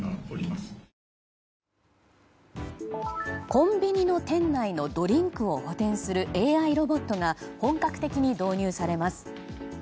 コンビニの店内のドリンクを補填するＡＩロボットが本格的に導入されます。